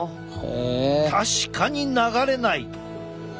確かに流れない。